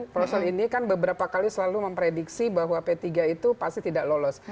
prosel ini kan beberapa kali selalu memprediksi bahwa p tiga itu pasti tidak lolos